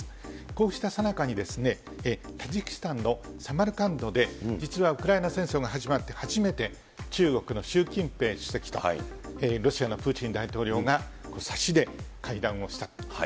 こうしたさなかに、タジキスタンのサマルカンドで実はウクライナ戦争が始まって初めて、中国の習近平主席とロシアのプーチン大統領がさしで会談をした。